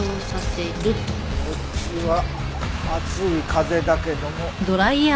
こっちは熱い風だけども。